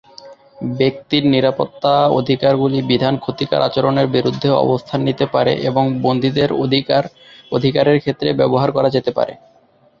ব্যক্তির নিরাপত্তা অধিকারগুলি বিধান ক্ষতিকর আচরণের বিরুদ্ধে অবস্থান নিতে পারে এবং বন্দীদের অধিকারের ক্ষেত্রে ব্যবহার করা যেতে পারে।